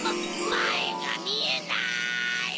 まえがみえない！